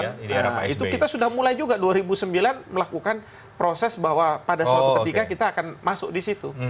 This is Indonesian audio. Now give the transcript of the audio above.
itu kita sudah mulai juga dua ribu sembilan melakukan proses bahwa pada suatu ketika kita akan masuk di situ